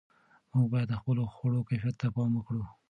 موږ باید د خپلو خوړو کیفیت ته پام وکړو.